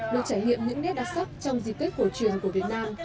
được trải nghiệm những nét đặc sắc trong dịp tết cổ truyền của việt nam